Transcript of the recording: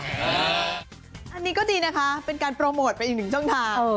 อันนี้ก็ดีนะคะเป็นการโปรโมทไปอีกหนึ่งช่องทาง